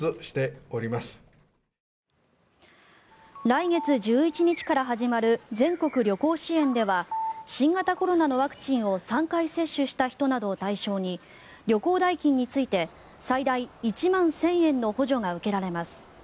来月１１日から始まる全国旅行支援では新型コロナのワクチンを３回接種した人などを対象に旅行代金について最大１万１０００円の補助が受けられます。